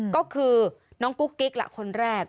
ก็คือน้องกุ๊กกิ๊กล่ะคนแรก